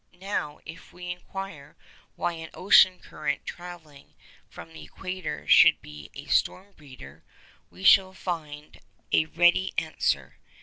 Now, if we inquire why an ocean current travelling from the equator should be a 'storm breeder,' we shall find a ready answer.